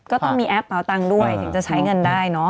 ก็ต้องมีแอปเป่าตังค์ด้วยถึงจะใช้เงินได้เนอะ